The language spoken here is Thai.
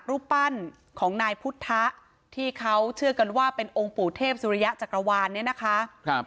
รูปปั้นของนายพุทธะที่เขาเชื่อกันว่าเป็นองค์ปู่เทพสุริยะจักรวาลเนี่ยนะคะ